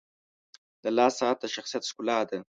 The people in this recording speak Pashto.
• د لاس ساعت د شخصیت ښکلا ده.